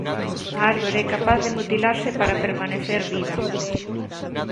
A árbore é capaz de mutilarse para permanecer viva.